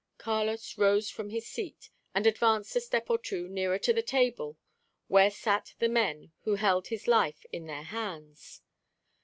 Carlos rose from his seat, and advanced a step or two nearer to the table where sat the men who held his life in their hands.